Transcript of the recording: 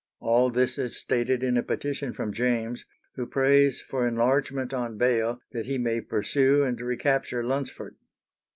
All this is stated in a petition from James, who prays for enlargement on bail that he may pursue and recapture Lunsford.